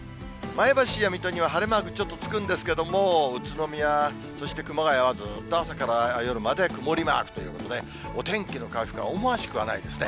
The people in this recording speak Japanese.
前橋や水戸には晴れマークちょっとつくんですけれども、宇都宮、そして熊谷はずっと朝から夜まで曇りマークということで、お天気の回復は思わしくはないですね。